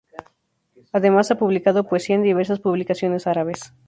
Además ha publicado poesía en diversas publicaciones árabes.